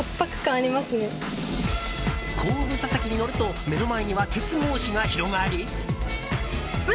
後部座席に乗ると目の前には鉄格子が広がり。